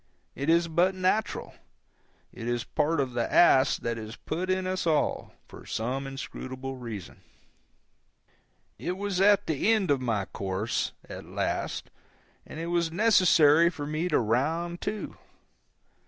It is but natural. It is part of the ass that is put in us all, for some inscrutable reason. I was at the end of my course, at last, and it was necessary for me to round to.